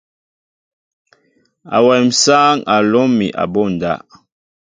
Awem sááŋ a lóm mi abunda.